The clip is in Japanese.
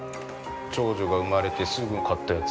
長女が産まれてすぐ買ったやつ。